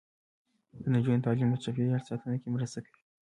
د نجونو تعلیم د چاپیریال ساتنه کې مرسته کوي.